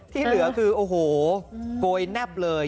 ที่เหลือคือโอ้โหโกยแนบเลย